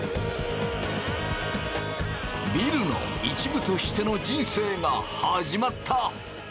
ビルの一部としての人生が始まった。